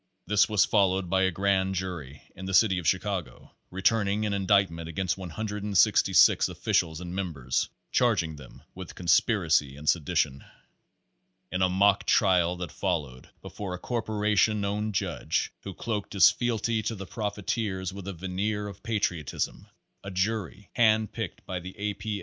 This was followed by a grand jury, in the city of Chicago, returning an indictment against 166 officials and members, charging them with conspiracy and sedi tion. In a mock trial that followed, before a corporation owned judge, who cloaked his fealty to the profiteers Page Thirty three with a veneer of patriotism, a jury, hand picked by the A. P.